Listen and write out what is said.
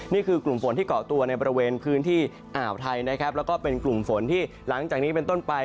นี่คือกลุ่มฝนที่เกาะตัวในบริเวณพื้นที่อ่าวไทยนะครับแล้วก็เป็นกลุ่มฝนที่หลังจากนี้เป็นต้นไป